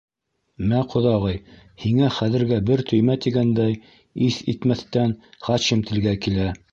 «Мә, ҡоҙағый, һиңә хәҙергә бер төймә», - тигәндәй, иҫ итмәҫтән Хачим телгә килә: